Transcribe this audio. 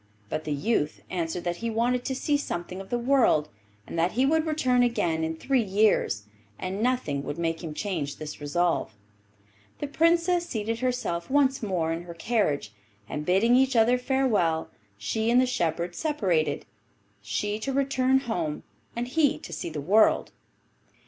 But the youth answered that he wanted to see something of the world, and that he would return again in three years, and nothing would make him change this resolve. The Princess seated herself once more in her carriage, and, bidding each other farewell, she and the shepherd separated, she to return home, and he to see the world.